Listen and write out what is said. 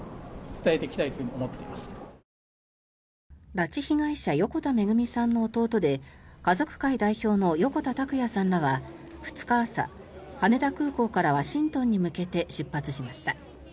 拉致被害者横田めぐみさんの弟で家族会代表の横田拓也さんらは２日朝羽田空港からワシントンに向けて出発しました。